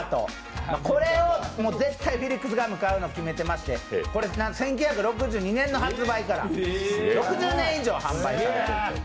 絶対フィリックスガム買うの決めてまして、これ、１９６２年の発売から６０年以上販売されて。